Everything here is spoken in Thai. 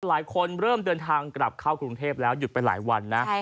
หลายคนเริ่มเดินทางกลับเข้ากรุงเทพแล้วหยุดไปหลายวันนะ